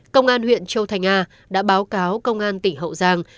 công an huyện châu thành a đã báo cáo công an tỉnh hậu giang